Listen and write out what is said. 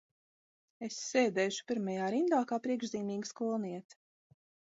Es sēdēšu pirmajā rindā kā priekšzīmīga skolniece.